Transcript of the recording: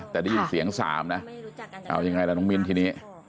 แต่ดีเสียง๓นะเอาอย่างไรล่ะน้องมินที่นี้